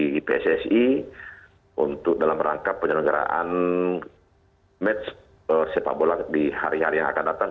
di pssi untuk dalam rangka penyelenggaraan match sepak bola di hari hari yang akan datang